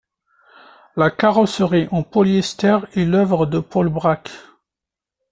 La carrosserie en polyester est l’œuvre de Paul Bracq.